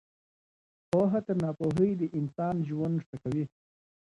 پوهه تر ناپوهۍ د انسان ژوند ښه کوي.